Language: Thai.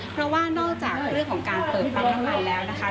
เพราะว่านอกจากเรื่องของการเปิดปั๊มน้ำมันแล้วนะคะ